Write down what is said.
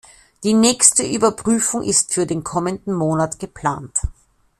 Die nächste Überprüfung ist für den kommenden Monat geplant.